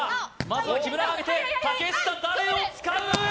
まずは木村が上げて竹下誰を使うー？